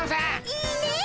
いいねえ。